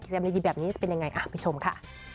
กิจกรรมในดีแบบนี้จะเป็นยังไงไปชมค่ะ